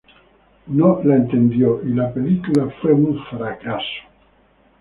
No la entendió y la película fue un fracaso.